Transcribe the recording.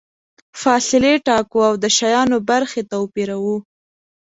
فاصلې ټاکو او د شیانو برخې توپیروو.